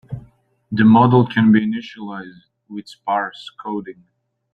The model can be initialized with sparse coding.